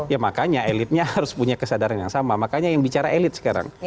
ya makanya elitnya harus punya kesadaran yang sama makanya yang bicara elit sekarang